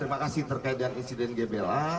terima kasih terkait dengan insiden gbl a